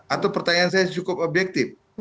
atau pertanyaan saya cukup objektif